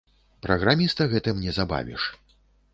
Праграміста гэтым не забавіш.